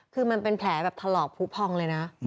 คือมันเป็นแผลแบบถลอกผู้พองเลยนะ